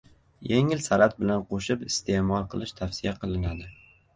Yengil salat bilan qo‘shib iste’mol qilish tavsiya qilinadi